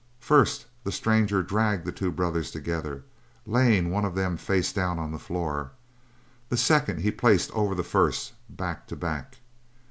First the stranger dragged the two brothers together, laying one of them face down on the floor. The second he placed over the first, back to back.